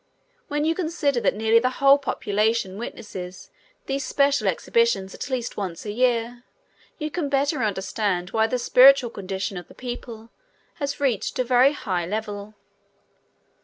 When you consider that nearly the whole population witnesses these special exhibitions at least once a year, you can the better understand why the spiritual condition of the people has reached a high very level.